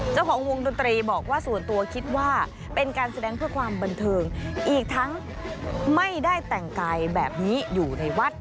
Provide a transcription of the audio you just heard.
เจ้าของวงดนตรีบอกว่าส่วนตัวคิดว่าเป็นการแสดงเพื่อความบันเทิงอีกทั้งไม่ได้แต่งกายแบบนี้อยู่ในวัด